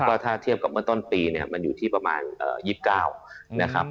ก็ถ้าเทียบกับเมื่อต้นปีเนี่ยมันอยู่ที่ประมาณ๒๙นะครับ